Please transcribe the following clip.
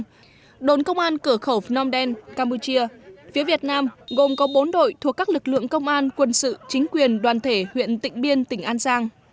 tỉnh an giang đồn công an cửa khẩu phnom penh campuchia phía việt nam gồm có bốn đội thuộc các lực lượng công an quân sự chính quyền đoàn thể huyện tỉnh biên tỉnh an giang